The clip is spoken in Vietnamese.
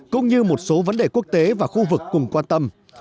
cũng như một số vấn đề quốc tế và khu vực cùng quan tâm